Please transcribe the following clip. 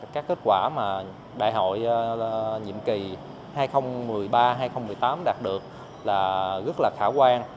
các kết quả mà đại hội nhiệm kỳ hai nghìn một mươi ba hai nghìn một mươi tám đạt được là rất là khả quan